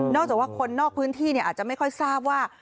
จากว่าคนนอกพื้นที่อาจจะไม่ค่อยทราบว่า